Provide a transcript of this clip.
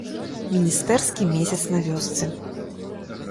Міністэрскі месяц на вёсцы.